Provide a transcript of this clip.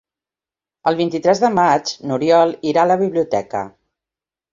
El vint-i-tres de maig n'Oriol irà a la biblioteca.